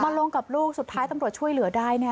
ลงกับลูกสุดท้ายตำรวจช่วยเหลือได้เนี่ย